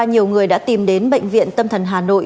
nhiều người đã tìm đến bệnh viện tâm thần hà nội